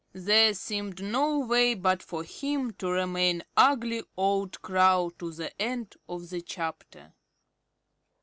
There seemed no way but for him to remain ugly old Crow to the end of the chapter.